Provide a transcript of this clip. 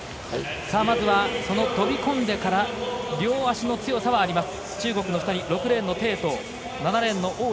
まずは、飛び込んでから両足の強さがあります。